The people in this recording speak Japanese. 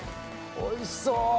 おいしそう！